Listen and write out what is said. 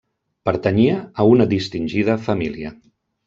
Pertanyia a una distingida família.